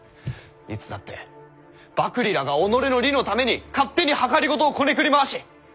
いつだって幕吏らが己の利のために勝手に謀をこねくり回し